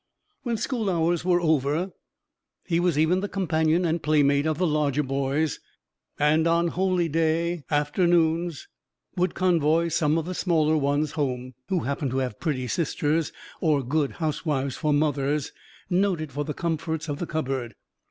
When school hours were over, he was even the companion and playmate of the larger boys; and on holyday afternoons would convoy some of the smaller ones home, who happened to have pretty sisters, or good housewives for mothers, noted for the comforts of the cupboard.